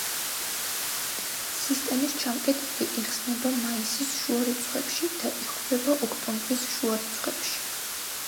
სისტემის ჩამკეტები იხსნება მაისის შუა რიცხვებში და იხურება ოქტომბრის შუა რიცხვებში.